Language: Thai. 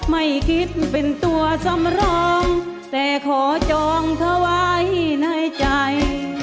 ไม่คิดเป็นตัวสำรองแต่ขอจองเธอไว้ในใจ